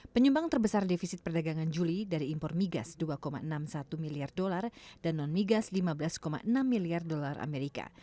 penyumbang terbesar defisit perdagangan juli dari impor migas dua enam puluh satu miliar dolar dan non migas lima belas enam miliar dolar amerika